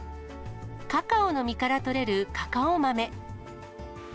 カカオの実から取れるカカオ豆。